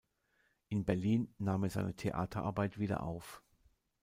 In Berlin nahm er seine Theaterarbeit wieder auf.